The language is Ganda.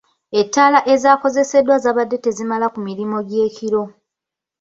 Ettaala ezaakozeseddwa ekiro zaabadde tezimala ku mirimu gy'ekiro.